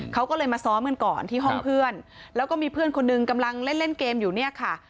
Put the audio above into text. เขาก็เลยมาซ้อมกันก่อนที่ห้องเพื่อนแล้วก็มีเพื่อนคนหนึ่งกำลังเล่นเล่นเกมอยู่เนี่ยค่ะ